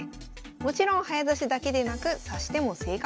もちろん早指しだけでなく指し手も正確。